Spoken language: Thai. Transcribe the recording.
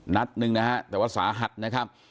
นัดหนึ่งนะฮะแต่ว่าสาหัสนะครับ